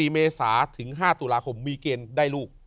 เมษาถึง๕ตุลาคมมีเกณฑ์ได้ลูก